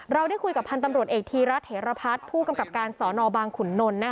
ได้คุยกับพันธ์ตำรวจเอกธีรัฐเหรพัฒน์ผู้กำกับการสอนอบางขุนนล